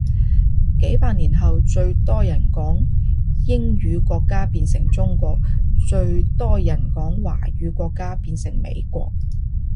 幾百年後最人多講英語國家變成中國，最多人講華語國家變成美國